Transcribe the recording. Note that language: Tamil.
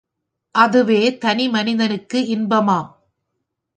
அதுவே தனி மனிதனுக்கு இன்பமாம்.